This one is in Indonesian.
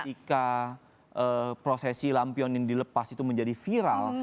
ketika prosesi lampion ini dilepas itu menjadi viral